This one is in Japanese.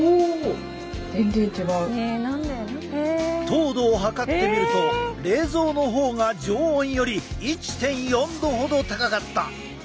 糖度を測ってみると冷蔵の方が常温より１．４度ほど高かった。